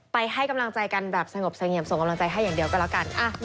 ให้กำลังใจกันแบบสงบเสงี่ยมส่งกำลังใจให้อย่างเดียวก็แล้วกัน